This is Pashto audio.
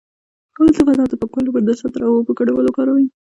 د بدن د پاکوالي لپاره د سدر او اوبو ګډول وکاروئ